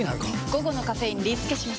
午後のカフェインリスケします！